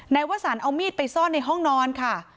วสันเอามีดไปซ่อนในห้องนอนค่ะ